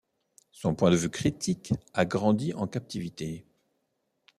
Son point de vue critique a grandi en captivité.